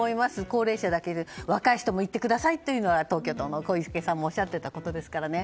高齢者だけではなく若い人も行ってくださいと東京都の小池さんもおっしゃってたことですからね。